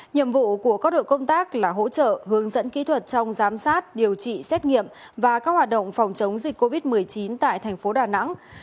nhiệm vụ của các đội công tác là hỗ trợ hướng dẫn kỹ thuật trong giám sát điều trị xét nghiệm và các hoạt động phòng chống dịch covid một mươi chín tại thành phố đà nẵng